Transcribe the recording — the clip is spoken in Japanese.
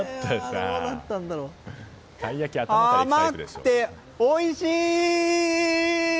甘くておいしい！